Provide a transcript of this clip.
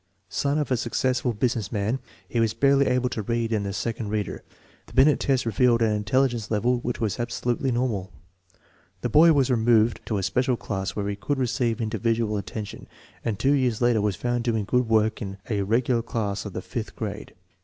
Son of a successful business man/he was barely able to read in the second reader. The Binet test revealed an intelligence level which was absolutely normal. The boy was 28 THE MEASUREMENT OF INTELLIGENCE removed lo a special class where he could receive individual at tention, and two years later was found doing good work in a regu lar class of the fifth grade.